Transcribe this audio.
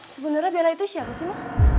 sebenernya bella itu siapa sih ma